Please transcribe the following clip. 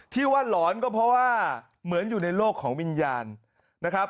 ที่ว่าหลอนก็เพราะว่าเหมือนอยู่ในโลกของวิญญาณนะครับ